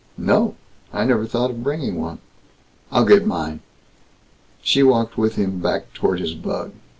"No. I never thought of bringing one." "I'll get mine." She walked with him back toward his bug.